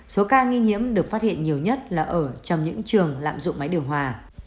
số ca nghi nhiễm được phát hiện nhiều nhất là ở trong những trường lạm dụng máy điều hòa